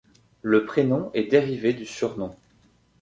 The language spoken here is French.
Le prénom est dérivé du surnom.